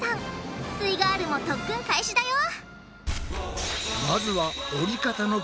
すイガールも特訓開始だよ